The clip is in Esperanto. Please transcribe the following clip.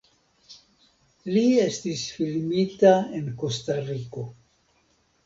Li estis filmita en Kostariko.